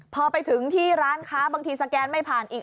พอไปถึงที่ร้านค้าบางทีสแกนไม่ผ่านอีก